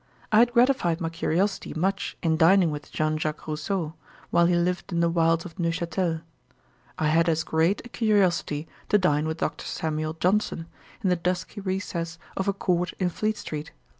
I had gratified my curiosity much in dining with JEAN JAQUES ROUSSEAU, while he lived in the wilds of Neufchatel: I had as great a curiosity to dine with DR. SAMUEL JOHNSON, in the dusky recess of a court in Fleet street.